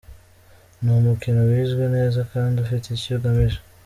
Ni umukino wizwe neza kandi ufite icyo ugamije.